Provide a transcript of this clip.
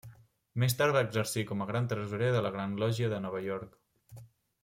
Més tard va exercir com a Gran Tresorer de la Gran Lògia de Nova York.